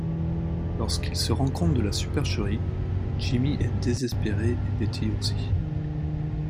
Lorsqu'il se rend compte de la supercherie, Jimmy est désespéré et Betty aussi.